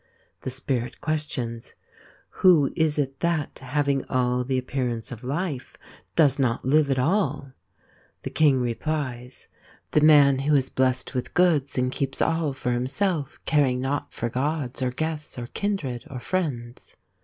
The Spirit questions : Who is it that, having all the appearance of life, does not live at all ? The King replies : The man who is blessed with goods and keeps all for himself, caring not for gods, or guests, or kindred, or friends.